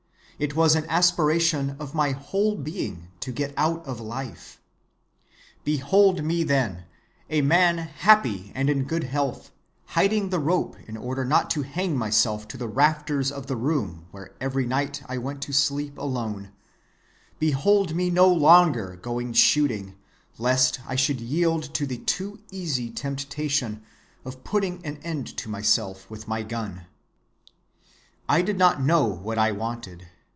It was an aspiration of my whole being to get out of life. "Behold me then, a man happy and in good health, hiding the rope in order not to hang myself to the rafters of the room where every night I went to sleep alone; behold me no longer going shooting, lest I should yield to the too easy temptation of putting an end to myself with my gun. "I did not know what I wanted.